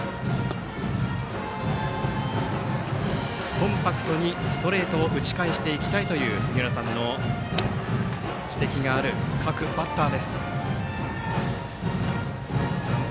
コンパクトにストレートを打ち返していきたいという杉浦さんの指摘がある各バッター。